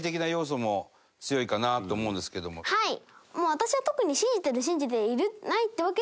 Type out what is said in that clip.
はい。